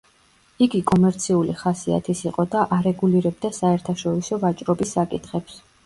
იგი კომერციული ხასიათის იყო და არეგულირებდა საერთაშორისო ვაჭრობის საკითხებს.